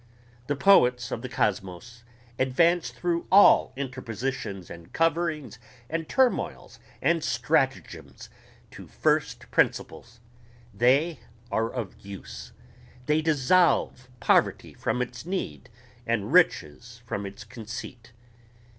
The poets of the kosmos advance through all interpositions and coverings and turmoils and stratagems to first principles. They are of use ... they dissolve poverty from its need and riches from its conceit.